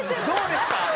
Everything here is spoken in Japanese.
どうですか？